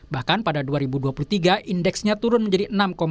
bahkan pada dua ribu dua puluh tiga indeksnya turun menjadi enam tujuh